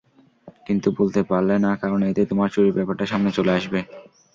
কিন্তু বলতে পারলে না কারণ এতে তোমার চুরির ব্যাপারটা সামনে চলে আসবে।